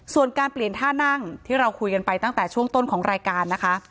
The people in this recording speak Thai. ส่วนการเปลี่ยนท่านั่งที่เราคุยกันไปตั้งแต่ช่วงต้นของรายการนะคะ